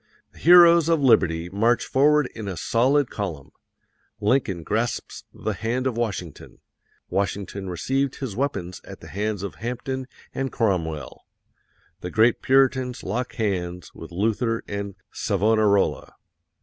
The heroes of liberty march forward in a solid column. Lincoln grasps the hand of Washington. Washington received his weapons at the hands of Hampden and Cromwell. The great Puritans lock hands with Luther and Savonarola.